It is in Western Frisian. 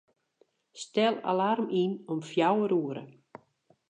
Stel alarm yn om fjouwer oere.